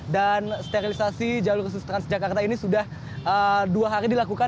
dan sterilisasi jalur usus transjakarta ini sudah dua hari dilakukan